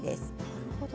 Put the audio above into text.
なるほど。